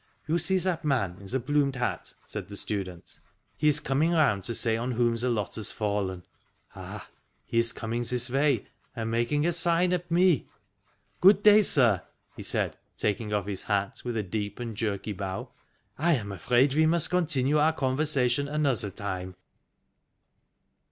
"You see that man in the plumed hat?" said the student. " He is coming round to say on whom the lot has fallen. Ah, he is coming this way, and making a sign at me. Good day, sir," he said, taking off his hat with a deep and jerky bow. " I am afraid we must continue our conversation another time."